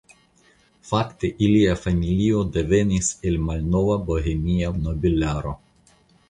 Fakte ilia familio devenis el la malnova bohemia nobelaro.